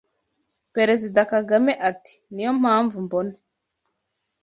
Perezida Kagame ati “Ni yo mpamvu mbona